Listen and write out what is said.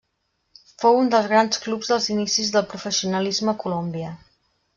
Fou un dels grans clubs dels inicis del professionalisme a Colòmbia.